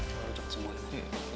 semoga semua baik